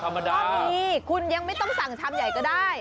ก็มีคุณยังไม่ต้องสั่งชามใหญ่ก็ได้